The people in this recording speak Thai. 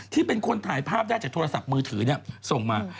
ที่เป็นคนถ่ายภาพได้จากโทรศัพท์มือถือส่งมา